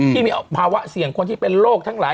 ที่มีภาวะเสี่ยงคนที่เป็นโรคทั้งหลาย